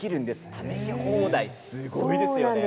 試し放題、すごいですね。